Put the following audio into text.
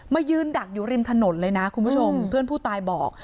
มายืนดักอยู่ริมถนนเลยนะคุณผู้ชมเพื่อนผู้ตายบอก